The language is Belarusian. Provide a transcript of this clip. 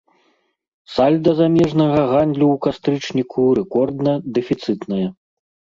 Сальда замежнага гандлю ў кастрычніку рэкордна дэфіцытнае.